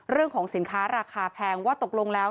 เรื่องของสินค้าราคาแพงว่าตกลงแล้ว